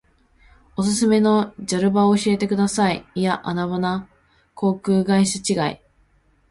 おすすめのジャル場を教えてください。いやアナ場な。航空会社違い。